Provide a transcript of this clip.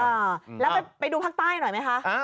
แล้วไปดูภาคใต้หน่อยไหมคะ